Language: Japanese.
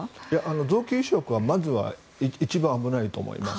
臓器移植はまず一番危ないと思います。